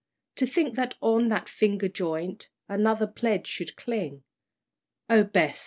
"To think that on that finger joint Another pledge should cling; O Bess!